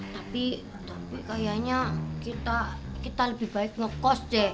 tapi tapi kayaknya kita kita lebih baik ngekos je